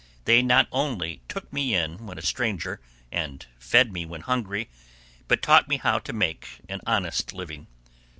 They not only "took me in when a stranger" and "fed me when hungry," but taught me how to make an honest living.